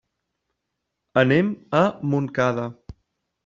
Anem a Montcada.